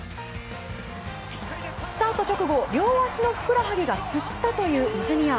スタート直後両足のふくらはぎがつったという泉谷。